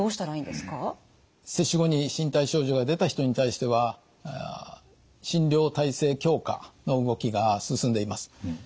接種後に身体症状が出た人に対しては診療体制強化の動きが進んでいます。